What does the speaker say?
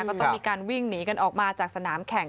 ก็ต้องมีการวิ่งหนีกันออกมาจากสนามแข่ง